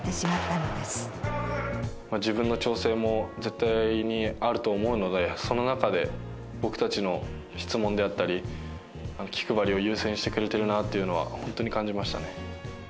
自分の調整も絶対にあると思うのでその中で僕たちの質問であったり気配りを優先してくれてるなっていうのは本当に感じましたね。